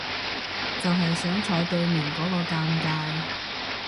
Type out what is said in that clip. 就係想坐對面嗰個尷尬